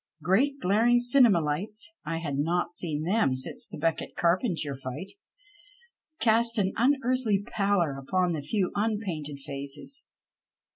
Great fjlaring " cinema " lights — I had not seen them since the Beckett Carpentier fight — cast an unearthly pallor upon the few unpainted faces.